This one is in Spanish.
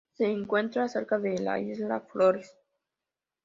Se encuentra cerca de la isla Flores.